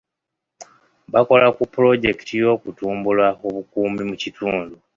Bakola ku pulojekiti y'okutumbula obukuumi mu kitundu.